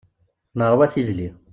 Nerwa tizli.